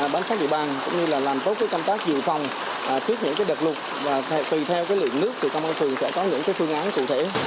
bán sát địa bàn cũng như là làm tốt các công tác dự phòng trước những đợt lụt và tùy theo luyện lướt tâm an phường sẽ có những phương án cụ thể